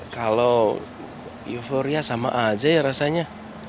kalau euforia sama aja ya rasanya